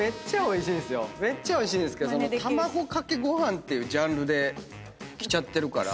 めっちゃおいしいんですけどたまごかけごはんってジャンルできちゃってるから。